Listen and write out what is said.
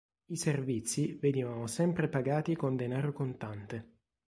I servizi venivano sempre pagati con denaro contante.